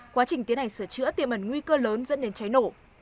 quá trình tiến hành sửa chữa tiềm ẩn nguy cơ lớn dẫn đến cháy nổ